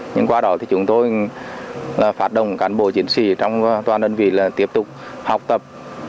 nhưng qua đó thì chúng tôi phát động cán bộ chiến sĩ trong toàn đơn vị là tiếp tục học tập